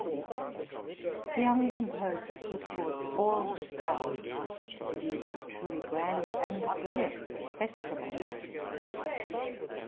The young composer put forth all his powers to produce a truly grand and brilliant festival mass.